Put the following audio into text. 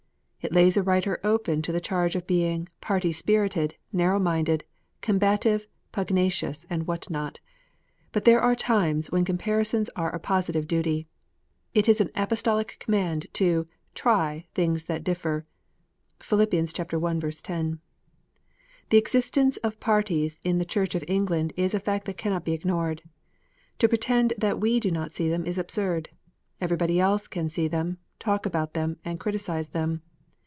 It lays a writer open to the charge of being "party spirited, narrow minded, combative, pugnacious," and what not. But there are times when comparisons are a positive duty. It is an apostolic command to " try things that differ." (Phil. i. 10.) The existence of parties in the Church of England is a fact that cannot be ignored. To pretend that we do not see them is absurd. Everybody else can see them, talk about them, and criticise them.